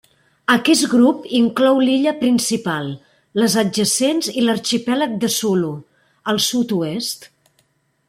Aquest grup inclou l'illa principal, les adjacents i l'arxipèlag de Sulu, al sud-oest.